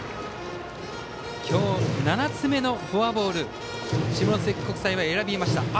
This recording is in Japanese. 今日、７つ目のフォアボールを下関国際は選びました。